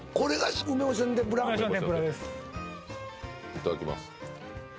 いただきます